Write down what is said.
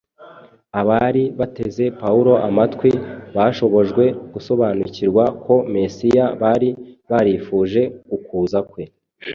Abari bateze Pawulo amatwi bashobojwe gusobanukirwa ko Mesiya bari barifuje ukuza kwe,